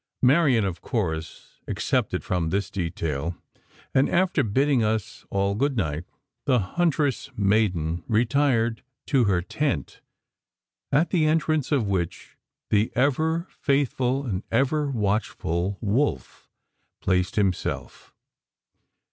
Marian was of course excepted from this "detail," and, after bidding us all good night, the huntress maiden retired to her tent at the entrance of which the ever faithful and ever watchful Wolf placed himself.